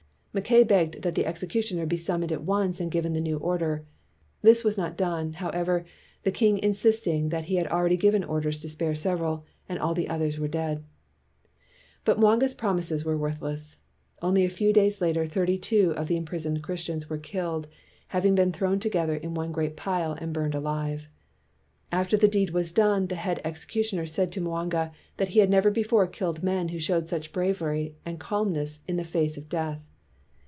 Mackay begged that the executioner be summoned at once and given the new order. This was not done, however, the king insist ing that he had already given orders to spare several, and all the others were dead. But Mwanga 's promises were worthless. Only a few da} T s later, thirty two of the im prisoned Christians were killed, having been thrown together in one great pile and burned alive. After the deed was done, the head executioner said to Mwanga that he had never before killed men who showed such bravery and calmness in the face of death.